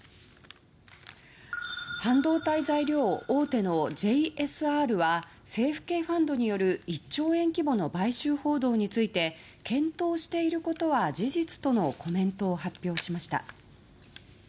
半導体材料大手のＪＳＲは政府系ファンドによる１兆円規模の買収報道について検討していることは事実とのコメントを発表しました。